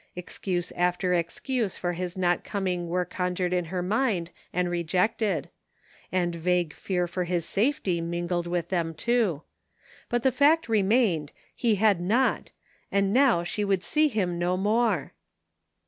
Excuse after excuse for his not coming were conjured in her mind and rejected; and vague fear for his safety mingled with them too. But the fact remained — ^he had not — ^and now she would see him no more!